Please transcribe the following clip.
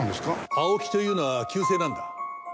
青木というのは旧姓なんだ。